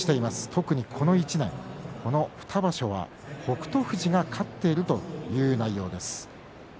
特に、この１年この２場所は北勝富士が勝っているという内容です。